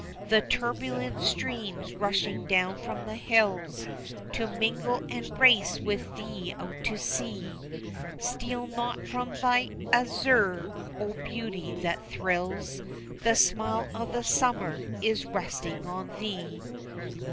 The turbulent streams rushing down from the hills To mingle and race with thee out to the sea, Steal not from thy azure O, beauty that thrills, The smile of the summer is resting on thee!